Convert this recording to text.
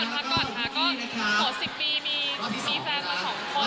ก่อนค่ะก็๑๐ปีมีแฟนมา๒คน